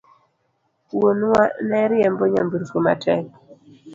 Wuonwa ne riembo nyamburko matek